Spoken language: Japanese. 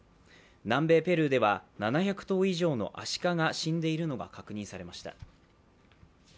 南米ペルーでは７００頭以上のアシカが死んでいるのが確認されました。